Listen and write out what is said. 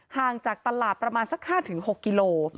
ห่างจากตลาดประมาณสัก๕๖กิโล